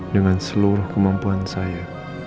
dengan seluruh kemampuan saya